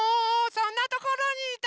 そんなところにいたの？